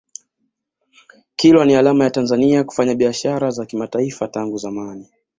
kilwa ni alama ya tanzania kufanya biashara za kimataifa tangu zamani